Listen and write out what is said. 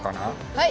はい！